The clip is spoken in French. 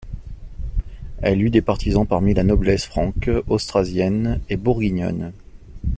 Elle eut des partisans parmi la noblesse franque austrasienne et bourguignonne.